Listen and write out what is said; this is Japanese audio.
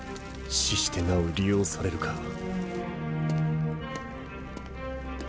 死してなお利用されるか。